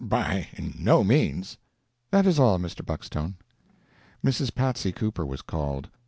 "By no means!" "That is all, Mr. Buckstone." Mrs. Patsy Cooper was called.